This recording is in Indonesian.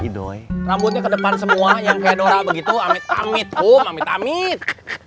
idoy rambutnya kedepan semuanya kayak dora begitu amit amit